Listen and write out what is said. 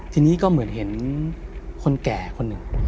ทีนี้ก็เหมือนเห็นคนแก่คนหนึ่ง